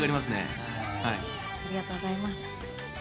ありがとうございます。